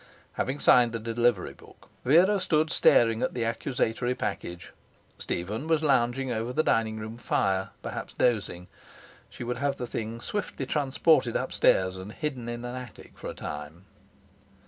Having signed the delivery book Vera stood staring at the accusatory package. Stephen was lounging over the dining room fire, perhaps dozing. She would have the thing swiftly transported up stairs and hidden in an attic for a time.